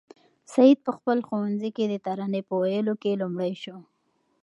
سعید په خپل ښوونځي کې د ترانې په ویلو کې لومړی شو.